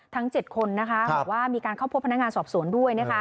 ทั้ง๗คนนะคะบอกว่ามีการเข้าพบพนักงานสอบสวนด้วย